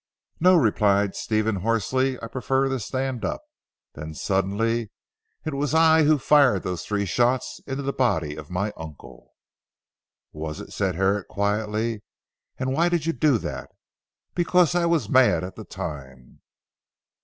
"No," replied Stephen hoarsely, "I prefer to stand up." Then suddenly. "It was I who fired those three shots into the body of my uncle." "Was it?" said Herrick quietly. "And why did you do that." "Because I was mad at the time?"